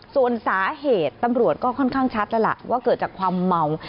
ส่วนสาเหตุตำรวจก็ค่อนข้างชัดแล้วล่ะว่าเกิดจากความเมา